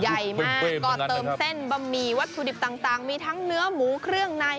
ใหญ่มากก็เติมเส้นบะหมี่วัตถุดิบต่างมีทั้งเนื้อหมูเครื่องใน